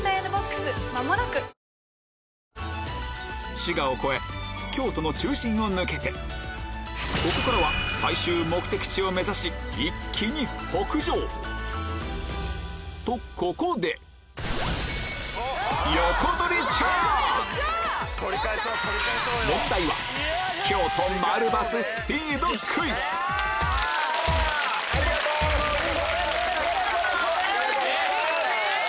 滋賀を越え京都の中心を抜けてここからは最終目的地を目指し一気に北上とここで問題はそれそれそれ！